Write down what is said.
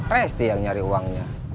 resti yang nyari uangnya